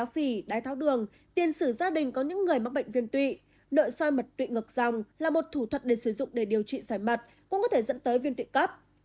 viên tụy mạng tính là một thủ thuật để sử dụng để điều trị xoài mặt cũng có thể dẫn tới viên tụy cấp